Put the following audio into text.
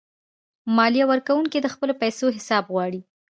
مالیه ورکونکي د خپلو پیسو حساب غواړي.